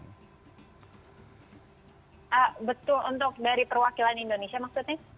betul untuk dari perwakilan indonesia maksudnya